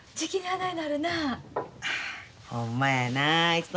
はい。